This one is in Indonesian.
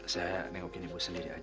saya nengokin ibu sendiri aja